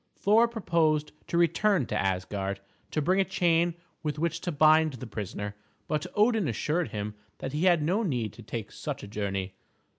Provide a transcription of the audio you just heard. Thor proposed to return to Asgard, to bring a chain with which to bind the prisoner; but Odin assured him that he had no need to take such a journey.